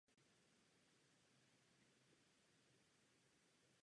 Děj však není tak důležitý jako samotná nálada nebo spíše nádech či krása knihy.